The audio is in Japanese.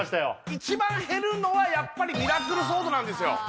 一番減るのはやっぱりミラクルソードなんですよ